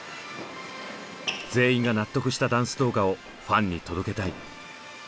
全員が納得したダンス動画をファンに届けたい。